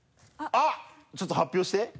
あっちょっと発表して。